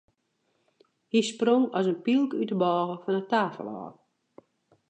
Hy sprong as in pylk út de bôge fan de tafel ôf.